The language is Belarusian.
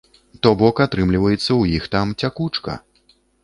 То бок атрымліваецца ў іх там цякучка.